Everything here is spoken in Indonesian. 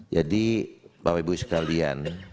jadi bapak ibu sekalian